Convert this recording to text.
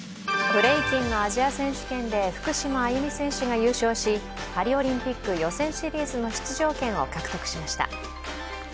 ブレイキンのアジア選手権で福島あゆみ選手が優勝し、パリオリンピック予選シリーズの出場権を獲得しました。